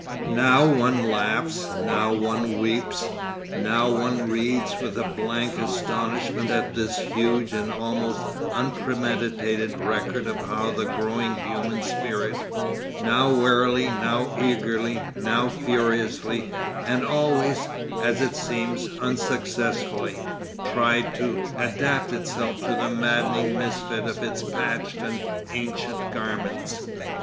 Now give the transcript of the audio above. Now one laughs, now one weeps, now one reads with a blank astonishment at this huge and almost unpremeditated record of how the growing human spirit, now warily, now eagerly, now furiously, and always, as it seems, unsuccessfully, tried to adapt itself to the maddening misfit of its patched and ancient garments.